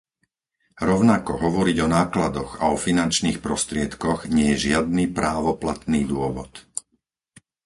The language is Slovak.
Rovnako, hovoriť o nákladoch a o finančných prostriedkoch nie je žiadny právoplatný dôvod.